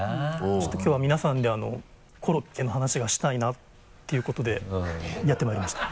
ちょっときょうは皆さんでコロッケの話がしたいなっていうことでやってまいりました。